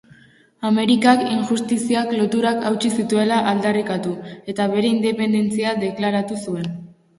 Amerikak injustiziak loturak hautsi zituela aldarrikatu, eta bere independentzia deklaratu zuen.